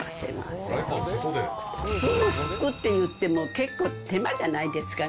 すぐ拭くっていっても、結構手間じゃないですか。